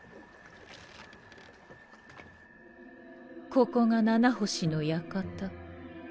ここが七星の館。